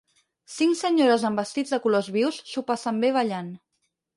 Cinc senyores amb vestits de colors vius s'ho passen bé ballant.